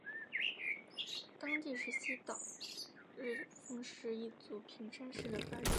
当地是西党日奉氏一族平山氏的发源地。